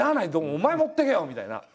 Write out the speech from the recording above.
「お前持ってけよ」みたいな。